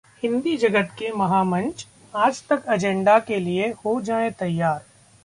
हिंदी जगत के महामंच- आजतक एजेंडा के लिए हो जाएं तैयार